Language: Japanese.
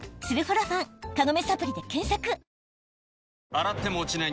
洗っても落ちない